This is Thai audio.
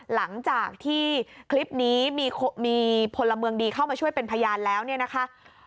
หลังจากที่คลิปนี้มีพลเมืองดีเข้ามาช่วยเป็นพยานแล้วเนี่ยนะคะ